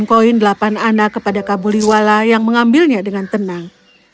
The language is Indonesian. sembilan koin delapan anak kepada kabuliwala yang mengambilnya dengan tenang